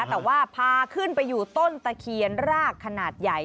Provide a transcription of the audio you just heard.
แต่ว่าพาขึ้นไปอยู่ต้นตะเคียนรากขนาดใหญ่